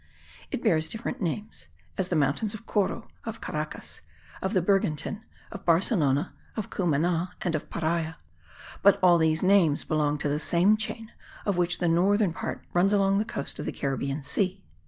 It bears different names, as the mountains of Coro, of Caracas, of the Bergantin, of Barcelona, of Cumana, and of Paria; but all these names belong to the same chain, of which the northern part runs along the coast of the Caribbean Sea.